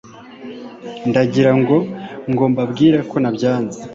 ndagirango ngo mbabwire ko nabyanze